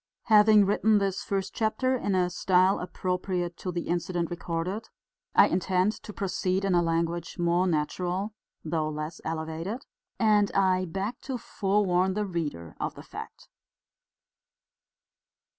Having written this first chapter in a style appropriate to the incident recorded, I intend to proceed in a language more natural though less elevated, and I beg to forewarn the reader of the fact.